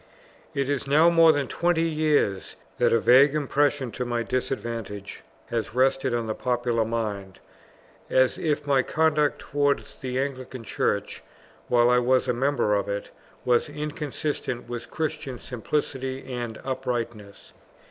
It is now more than twenty years that a vague impression to my disadvantage has rested on the popular mind, as if my conduct towards the Anglican Church, while I was a member of it, was inconsistent with Christian simplicity and uprightness.